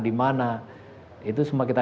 di mana itu semua kita